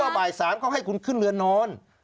ต้องกลัวบ่าย๓ก็ให้คุณขึ้นเลือนนอน